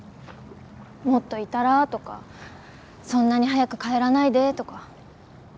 もっといたらぁとかそんなに早く帰らないでぇとか。